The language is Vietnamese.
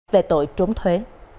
về tội trốn thuế